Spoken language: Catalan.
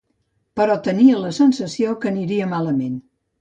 Però tenia la sensació que aniria malament.